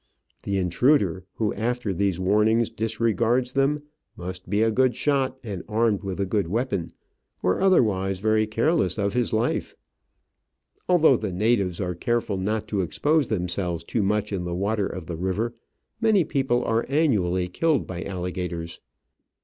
The intruder who, after these warnings, disregards them, must be a good shot and armed with a good weapon, or otherwise very careless of his life. Although the natives are careful not to expose themselves too much in the w^ater of the river, many people are annually killed by alligators.